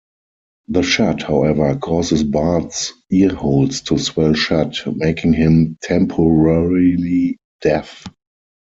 The shot, however, causes Bart's earholes to swell shut, making him temporarily deaf.